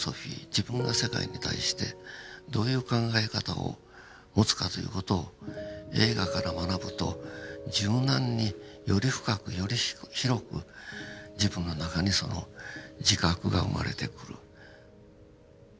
自分が世界に対してどういう考え方を持つかという事を映画から学ぶと柔軟により深くより広く自分の中にその自覚が生まれてくる。